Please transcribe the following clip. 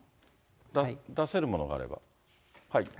出せるものがあれば。